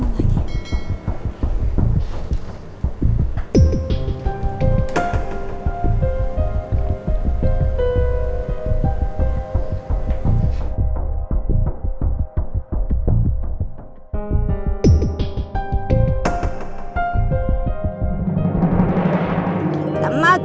nama kan ragi